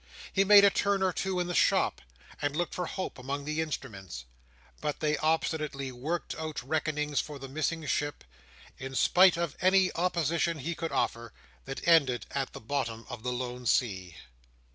He made a turn or two in the shop, and looked for Hope among the instruments; but they obstinately worked out reckonings for the missing ship, in spite of any opposition he could offer, that ended at the bottom of the lone sea.